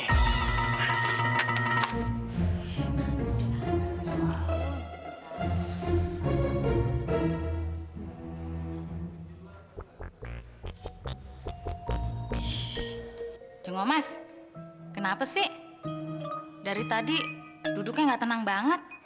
shhh jeng omas kenapa sih dari tadi duduknya gak tenang banget